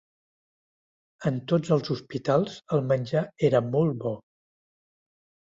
En tots els hospitals el menjar era molt bo